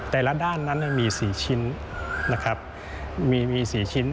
แต่ละด้านมี๔ชิ้น